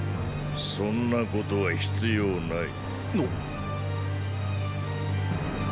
そんなことは必要ない。